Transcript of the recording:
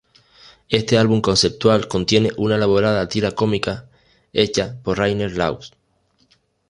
Este álbum conceptual contiene una elaborada tira cómica, hecha por Rainer Laws.